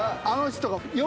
あの人が。